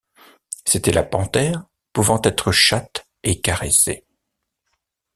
C’était la panthère, pouvant être chatte, et caresser.